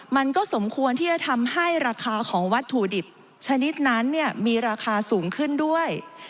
มันก็สมควรที่จะทำให้ราคาของวัตถุดิบชนิดนั้นมีราคาสูงขึ้นด้วย